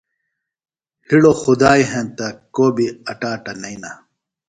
ہِڑوۡ خدائی ہنتہ کو بیۡ اٹاٹہ نئینہ۔